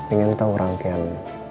ingin tahu rangkaian